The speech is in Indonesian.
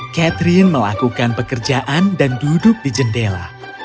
catherine melakukan pekerjaan dan duduk di jendela